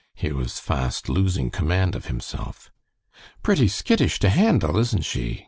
He was fast losing command of himself. "Pretty skittish to handle, isn't she?"